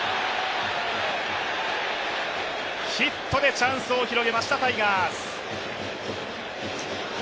ヒットでチャンスを広げましたタイガース。